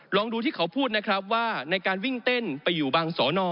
ลองดูที่เขาพูดนะครับว่าในการวิ่งเต้นไปอยู่บางสอนอ